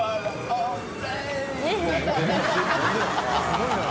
すごいな。